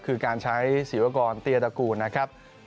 คือการใช้ศิวกรเตียตระกูลนะครับ